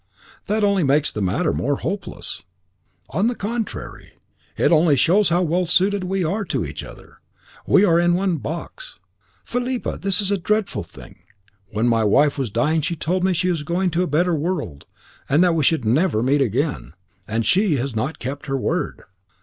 "That only makes the matter more hopeless." "On the contrary, it only shows how well suited we are to each other. We are in one box." "Philippa, it is a dreadful thing. When my wife was dying she told me she was going to a better world, and that we should never meet again. _And she has not kept her word.